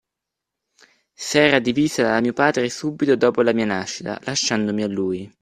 S'era divisa da mio padre subito dopo la mia nascita, lasciandomi a lui.